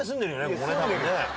ここね多分ね。